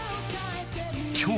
今日